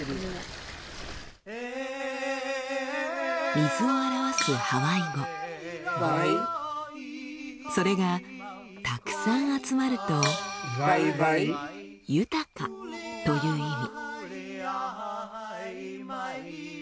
水を表すハワイ語それがたくさん集まると「豊か」という意味。